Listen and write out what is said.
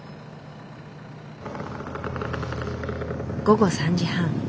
午後３時半。